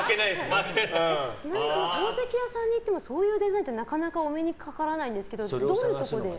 宝石屋さんに行ってもそういうデザインってなかなかお目にかかれないんですけどどういうところで？